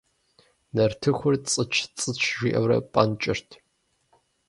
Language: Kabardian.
Нартыхур цӏыч-цӏыч жиӏэурэ пӏэнкӏырт.